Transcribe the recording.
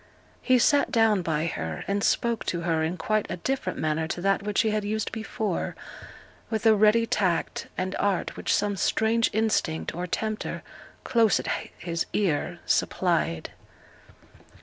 He sate down by her, and spoke to her in quite a different manner to that which he had used before, with a ready tact and art which some strange instinct or tempter 'close at his ear' supplied.